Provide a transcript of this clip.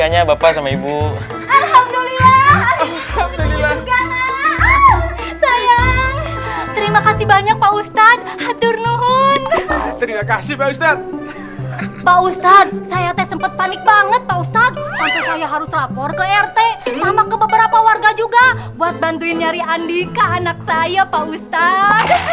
ya saya juga buat bantuin nyari andika anak saya pak ustadz